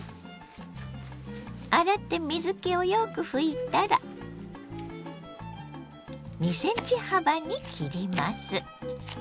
洗って水けをよく拭いたら２ｃｍ幅に切ります。